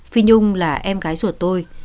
phi nhung là em gái ruột tôi